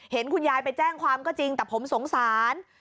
เห็นคุณยายไปแจ้งความก็จริงแต่ผมสงสาร